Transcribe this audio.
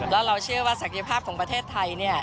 แล้วเราเชื่อว่าศักยภาพของประเทศไทย